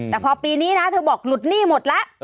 แต่พอปีนี้นะเธอบอกหลุดหนี้หมดแล้ว